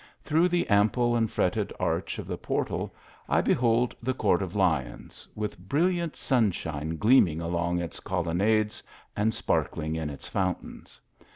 Through the ample and fretted arch of the portal, I behold the Court of Lions, with brilliant sunshine gleaming along its colonnades and sparkling in its fountains.